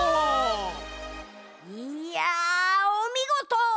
いやおみごと！